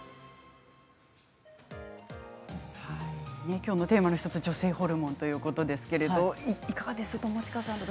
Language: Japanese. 今日のテーマ女性ホルモンということですがいかがですか、友近さん。